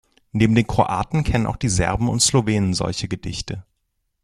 Neben den Kroaten kennen auch die Serben und Slowenen solche Gedichte.